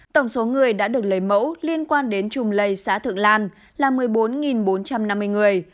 tổng số người đã được lấy mẫu liên quan đến chùm lây xã thượng lan là một mươi bốn bốn trăm năm mươi người